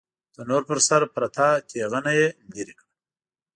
د تنور پر سر پرته تېغنه يې ليرې کړه.